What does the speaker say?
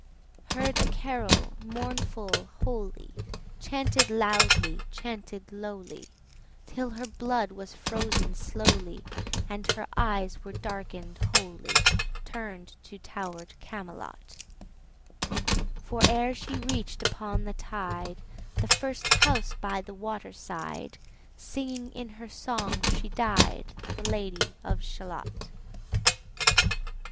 Heard a carol, mournful, holy, 145 Chanted loudly, chanted lowly, Till her blood was frozen slowly, And her eyes were darken'd wholly, Turn'd to tower'd Camelot; For ere she reach'd upon the tide 150 The first house by the water side, Singing in her song she died, The Lady of Shalott.